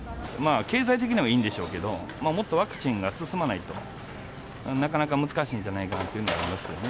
経済的にはいいんでしょうけども、もっとワクチンが進まないと、なかなか難しいんじゃないかなとは思いますけどね。